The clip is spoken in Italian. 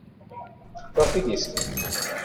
Floppy disk.